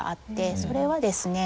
それはですね